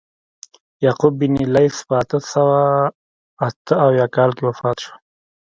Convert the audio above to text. یعقوب بن لیث په اته سوه اته اویا کال کې وفات شو.